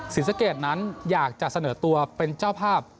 ศรีสะเกดนั้นอยากจะเสนอตัวเป็นเจ้าภาพ